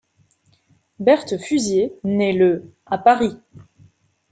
Berthe Fusier naît le à Paris.